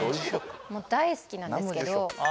もう大好きなんですけどあ・